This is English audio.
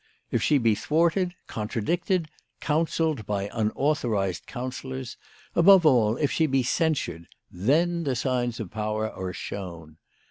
If she be thwarted, contradicted, counselled by unauthorised counsellors, above all if she be censured, then the signs of power are shown.